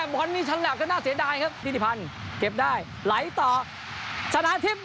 บอลมีฉระดาษก็น่าเสียใดครับดินิพันธ์เก็บได้ไหลต่อชนะทิพย์